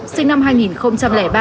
sinh năm hai nghìn ba